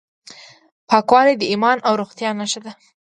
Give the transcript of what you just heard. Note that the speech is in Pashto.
پاکوالی د ایمان او روغتیا نښه ده.